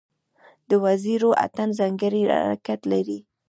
د وزیرو اتن ځانګړی حرکت لري.